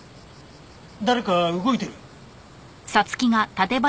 誰か動いてる。